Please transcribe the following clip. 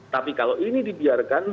tapi kalau ini dibiarkan